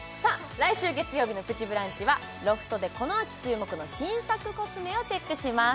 来週月曜日の「プチブランチ」はロフトでこの秋注目の新作コスメをチェックします